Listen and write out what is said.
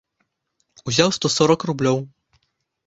Узяў сто сорак рублёў.